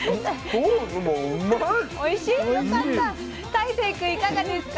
大聖君いかがですか？